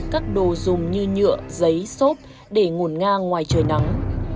các đồ dùng như nhựa giấy xốp để ngổn ngang ngoài trời nắng